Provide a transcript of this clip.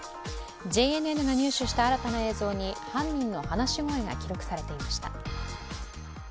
ＪＮＮが入手した新たな映像に犯人の話し声が記録されていました。